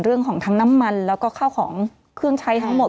ทั้งน้ำมันแล้วก็ข้าวของเครื่องใช้ทั้งหมด